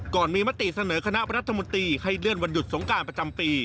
ก่อนมีมติเสนอคณะรัฐมนตรีให้เลื่อนวันหยุดสงการประจำปี